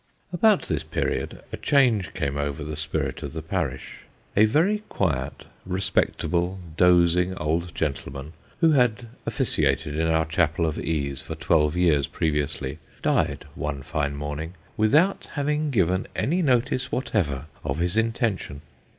About this period, a change came over the spirit of the parish. A very quiet, respectable, dozing old gentleman, who had officiated in our chapel of ease for twelve years previouly, died one fine morning, without having given any notice whatever of his intention.